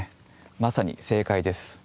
まさに正解です。